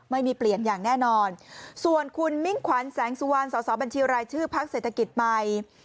ไม่มีเปลี่ยนอย่างแน่นอนส่วนคุณมิ่งขวัญแสงสุวรรณสอสอบัญชีรายชื่อพักเศรษฐกิจใหม่